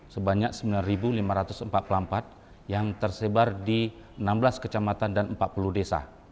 sebanyak sembilan lima ratus empat puluh empat yang tersebar di enam belas kecamatan dan empat puluh desa